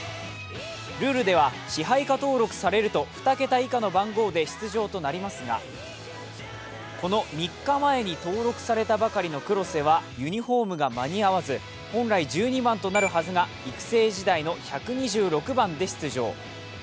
ルールでは支配下登録されると２桁以下の番号で出場となりますがこの３日前に登録されたばかりの黒瀬はユニフォームが間に合わず、本来１２番となるはずが育成時代の１２６番で出場。